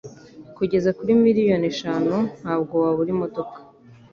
kugeza kuri miliyoni eshanu ntabwo wabura imodoka